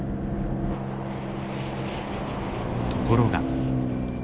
ところが。